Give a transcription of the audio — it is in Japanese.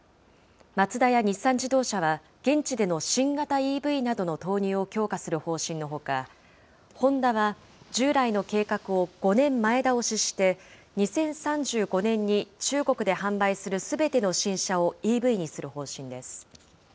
マツダや日産自動車は現地での新型ＥＶなどの投入を強化する方針のほか、ホンダは従来の計画を５年前倒しして、２０３５年に中国で販売するすべての新車をＥＶにする方針です。